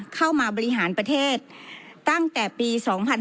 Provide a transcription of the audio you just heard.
เข้ามาบริหารประเทศตั้งแต่ปี๒๕๕๙